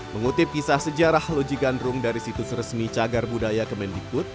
mengutip kisah sejarah loji gandrung dari situs resmi cagar budaya kemendikbud